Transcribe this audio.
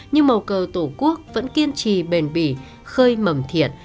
nhưng màu cầu tổ quốc vẫn kiên trì bền bỉ khơi mầm thiệt